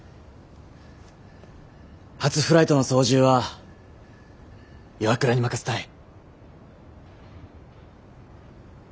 初フライトの操縦は岩倉に任すったい。